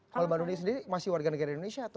kalau mbak nuni sendiri masih warga negara indonesia atau